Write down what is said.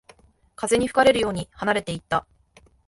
風に吹かれるように離れていった